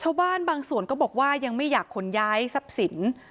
ชาวบ้านบางส่วนก็บอกว่ายังไม่อยากขนย้ายทรัพย์สิน